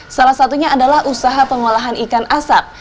salah satunya adalah usaha pengolahan ikan asap